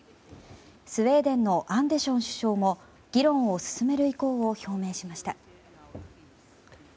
スウェーデンのアンデション首相も議論を進める意向を表明しました。